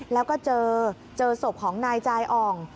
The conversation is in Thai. แล้วก็เจอสบของนายจายอ่อง